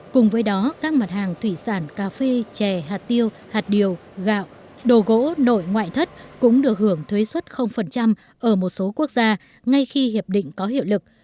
cùng với đó các mặt hàng thủy sản cà phê chè hạt tiêu hạt điều gạo đồ gỗ nội ngoại thất cũng được hưởng thuế xuất ở một số quốc gia ngay khi hiệp định có hiệu lực